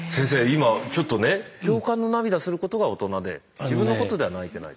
今ちょっとね共感の涙することが大人で自分のことでは泣いてないと。